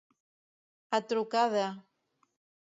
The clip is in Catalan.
A truca de.